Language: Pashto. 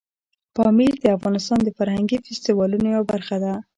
پامیر د افغانستان د فرهنګي فستیوالونو یوه برخه ده.